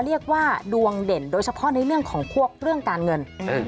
เรียกว่าดวงเด่นโดยเฉพาะในเรื่องของพวกเรื่องการเงิน